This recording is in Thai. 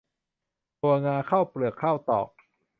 ถั่วงาข้าวเปลือกข้าวตอก